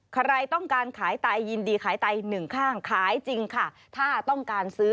ใครต้องการขายไตยินดีขายไตหนึ่งข้างขายจริงค่ะถ้าต้องการซื้อ